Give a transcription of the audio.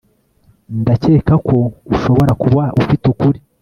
Ndakeka ko ushobora kuba ufite ukuri